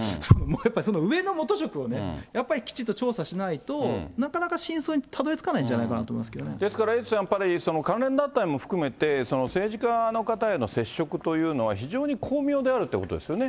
やっぱりその上の元職をね、やっぱりきちっと調査しないと、なかなか真相にたどりつかないんですからエイトさん、やっぱり、関連団体も含めて、政治家の方への接触というのは非常に巧妙であるということですよ